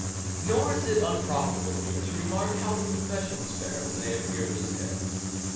Nor is it unprofitable here to remark how the professions fare when they appear in these tales.